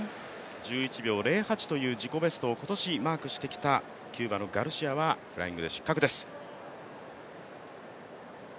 １１秒０８という自己ベストを今年マークしてきたキューバのガルシアは、フライングで失格です。